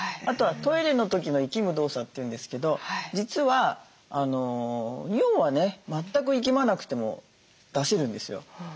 あとはトイレの時のいきむ動作というんですけど実は尿はね全くいきまなくても出せるんですよ。